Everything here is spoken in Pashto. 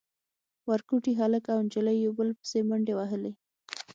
ورکوټي هلک او نجلۍ يو بل پسې منډې وهلې.